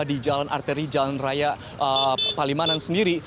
di jalan raya palimanan sendiri